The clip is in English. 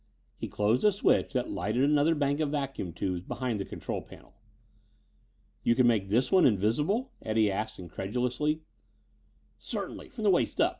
He closed a switch that lighted another bank of vacuum tubes behind the control panel. "You can make this one invisible?" Eddie asked incredulously. "Certainly from the waist up.